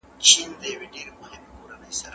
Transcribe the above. دا هغه فيلسوف دی چي د ټولني رګونه پېژني.